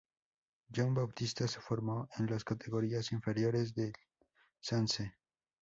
Jon Bautista se formó en las categorías inferiores del Sanse.